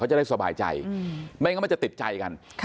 จะได้สบายใจไม่งั้นมันจะติดใจกัน